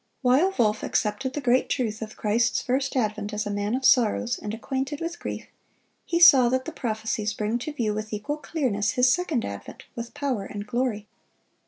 While Wolff accepted the great truth of Christ's first advent as "a man of sorrows, and acquainted with grief," he saw that the prophecies bring to view with equal clearness His second advent with power and glory.